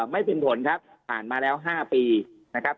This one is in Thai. ไม่เป็นผลครับผ่านมาแล้ว๕ปีนะครับ